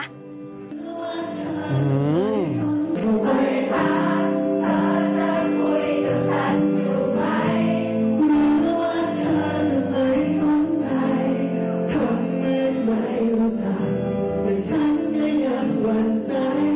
ถ้าเมื่อไหร่เราจับแต่ฉันก็ยังหวั่นใจ